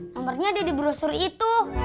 nomernya ada di brosur itu